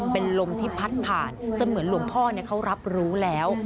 เป็นลมที่พัดผ่านเสมือนหลวงพ่อเขารับรู้แล้ว